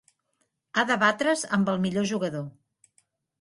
Ha de batre's amb el millor jugador.